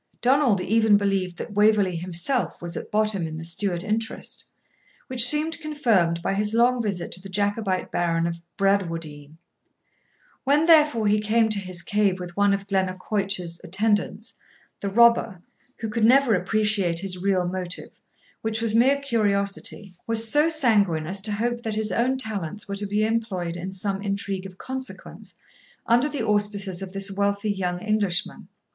Donald even believed that Waverley himself was at bottom in the Stuart interest, which seemed confirmed by his long visit to the Jacobite Baron of Bradwardine. When, therefore, he came to his cave with one of Glennaquoich's attendants, the robber, who could never appreciate his real motive, which was mere curiosity, was so sanguine as to hope that his own talents were to be employed in some intrigue of consequence, under the auspices of this wealthy young Englishman.